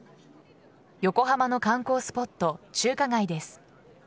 横浜の観光スポット中華街です。